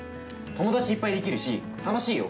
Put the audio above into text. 友達いっぱいできるし楽しいよ。